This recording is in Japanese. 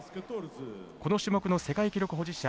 この種目の世界記録保持者